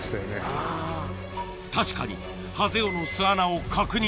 確かにハゼ雄の巣穴を確認